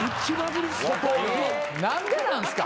何でなんすか？